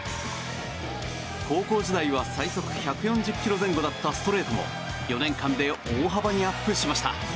高校時代は最速１４０キロ前後だったストレートも４年間で大幅にアップしました。